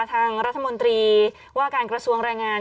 ทางรัฐมนตรีว่าการกระทรวงแรงงาน